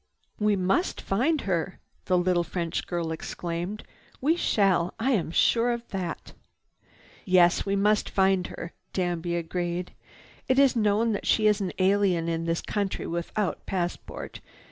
"We must find her!" the little French girl exclaimed. "We shall, I am sure of that." "Yes, we must find her," Danby agreed. "It is known that she is an alien in this country without passport.